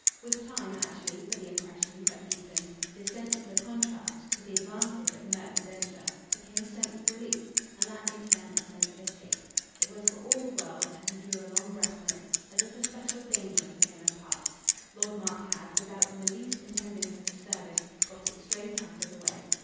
With time, actually for the impression but deepened this sense of the contrast, to the advantage of Merton Densher, became a sense of relief, and that in turn a sense of escape. It was for all the world and he drew a long breath on it as if a special danger for him had passed. Lord Mark had, without in the least intending such a service, got it straight out of the way.